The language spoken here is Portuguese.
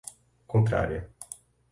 contrária